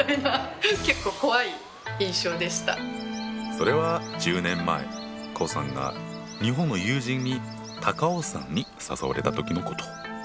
それは１０年前胡さんが日本の友人に高尾山に誘われた時のこと。